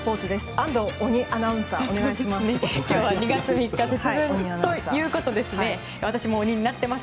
安藤鬼アナウンサーよろしくお願いします。